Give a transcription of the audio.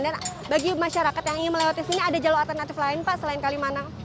dan bagi masyarakat yang ingin melewati sini ada jalur alternatif lain pak selain kalimanang